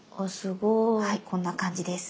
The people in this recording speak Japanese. こんな感じです。